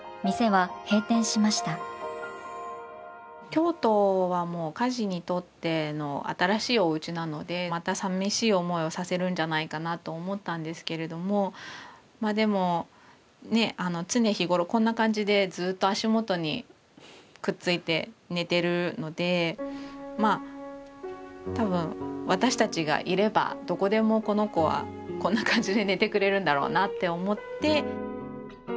京都はもうカジにとっての新しいおうちなのでまたさみしい思いをさせるんじゃないかなと思ったんですけれどもまあでもね常日頃こんな感じでずっと足元にくっついて寝てるのでまあ多分私たちがいればどこでもこの子はこんな感じで寝てくれるんだろうなって思って。